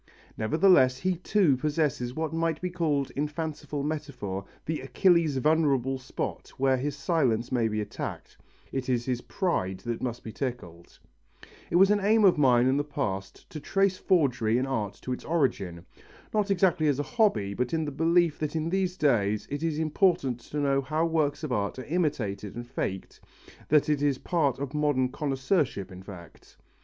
Nevertheless he too possesses what might be called in fanciful metaphor the Achilles' vulnerable spot where his silence may be attacked: it is his pride that must be tickled. It was an aim of mine in the past to trace forgery in art to its origin. Not exactly as a hobby but in the belief that in these days it is important to know how works of art are imitated and faked, that it is part of modern connoisseurship in fact.